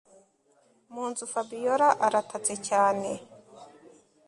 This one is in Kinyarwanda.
munzu Fabiora aratatse cyaneeeee……